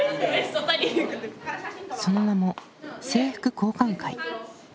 その名も「制服交換会」。